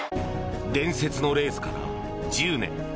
伝説のレースから１０年。